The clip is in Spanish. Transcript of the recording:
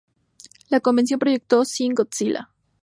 La convención proyectó "Shin Godzilla".